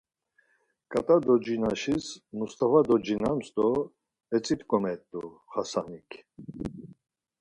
Ǩat̆a docinaşis Mustava docinams do etzit̆ǩomet̆u Xasanik.